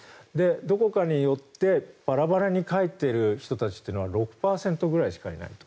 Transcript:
どこかに寄ってバラバラに帰っている人たちというのは６％ぐらいしかいないと。